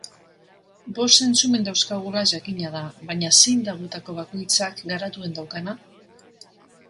Bost zentzumen dauzkagula jakina da, baina zein da gutako bakoitzak garatuen daukana?